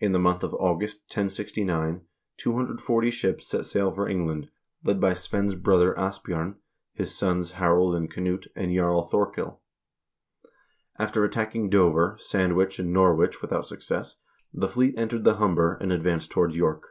In the month of August, 1069, 240 ships set sail for England, led by Svein's brother Asbj0rn, his sons Harald and Knut, and Jarl Thorkil. After attacking Dover, Sand wich, and Norwich without success, the fleet entered the Humber, and advanced toward York.